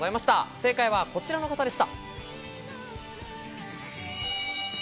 正解はこちらの方でした。